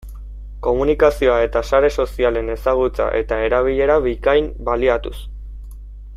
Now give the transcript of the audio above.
Komunikazioa eta sare sozialen ezagutza eta erabilera bikain baliatuz.